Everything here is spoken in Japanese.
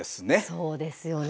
そうですよね。